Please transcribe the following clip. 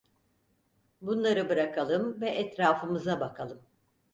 Bunları bırakalım ve etrafımıza bakalım.